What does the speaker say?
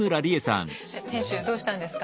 店主どうしたんですか？